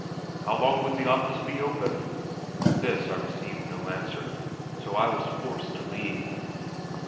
How long would the office be open? To this I received no answer, so I was forced to leave.